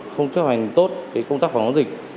không chấp hành tốt công tác phòng chống dịch